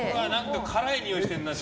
辛いにおいしてるな。